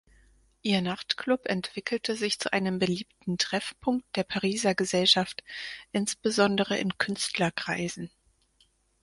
Ihr Nachtclub entwickelte sich zu einem beliebten Treffpunkt der Pariser Gesellschaft, insbesondere in Künstlerkreisen.